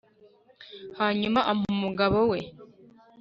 hanyuma ampa umugabo we